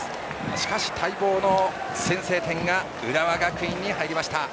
しかし、待望の先制点が浦和学院に入りました。